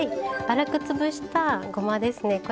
粗くつぶしたごまですね